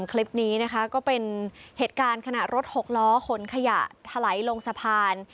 คลิปนี้นะคะก็เป็นเหตุการณ์ขณะรถหกล้อขนขยะถลายลงสะพาน